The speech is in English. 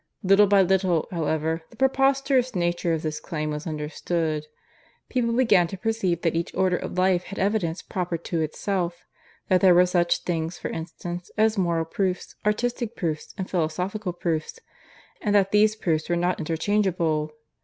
Little by little, however, the preposterous nature of this claim was understood. People began to perceive that each order of life had evidence proper to itself that there were such things, for instance, as moral proofs, artistic proofs, and philosophical proofs; and that these proofs were not interchangeable.